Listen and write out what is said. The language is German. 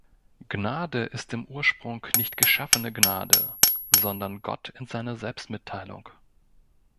Gnade ist im Ursprung nicht „geschaffene Gnade“, sondern Gott in seiner Selbstmitteilung.